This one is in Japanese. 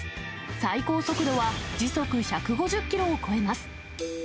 最高速度は時速１５０キロを超えます。